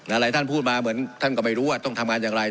อะไรท่านพูดมาเหมือนท่านก็ไม่รู้ว่าต้องทำงานอย่างไร